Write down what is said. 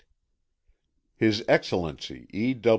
His Excellency, E.